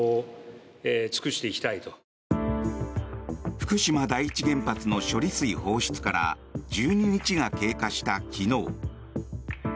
福島第一原発の処理水放出から１２日が経過した昨日。